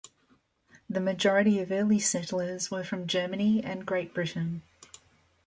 The majority of early settlers were from Germany and Great Britain.